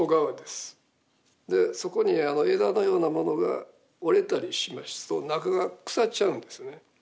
でそこに枝のようなものが折れたりしますと中が腐っちゃうんですね。